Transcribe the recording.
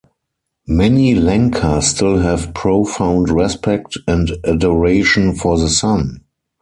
Many Lenca still have profound respect and adoration for the sun.